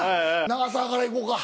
長澤からいこうか。